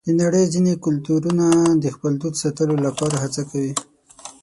د نړۍ ځینې کلتورونه د خپل دود ساتلو لپاره هڅه کوي.